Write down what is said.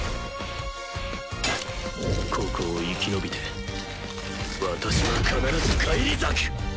ここを生き延びて私は必ず返り咲く！